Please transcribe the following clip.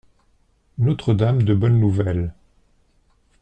Notre-Dame de Bonne Nouvelle.